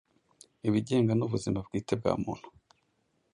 Ibigenga n'ubuzima bwite bwa muntu